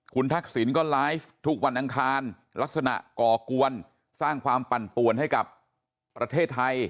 คุณทักษิณก็ไลฟ์ทุกวันอังคารลักษณะก่อกวนสร้างความปั่นป่วนให้กับประเทศไทย